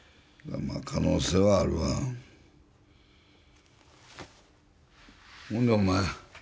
可能性はあるわほんでお前